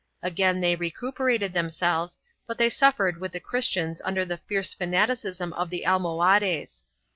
3 Again they recuperated themselves, but they suffered with the Christians under the fierce fanaticism of the Almohades.